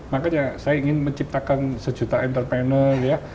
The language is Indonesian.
makanya saya ingin menciptakan sejuta entrepreneur ya